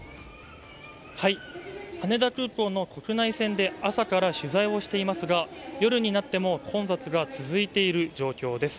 羽田空港の国内線で朝から取材をしていますが夜になっても混雑が続いている状況です。